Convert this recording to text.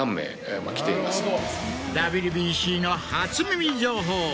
ＷＢＣの初耳情報。